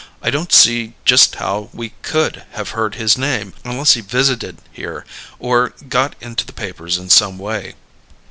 I don't see just how we could have heard his name unless he visited here or got into the papers in some way."